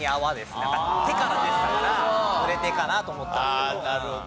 なんか手から出てたからぬれてかなと思ったんですけど。